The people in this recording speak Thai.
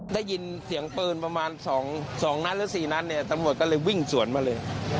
ได้ยินเสียงปืนประมาณ๒นัดหรือ๔นัดเนี่ยตำรวจก็เลยวิ่งสวนมาเลย